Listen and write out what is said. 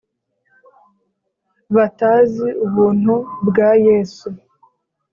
batazi ubuntu bwa yesu,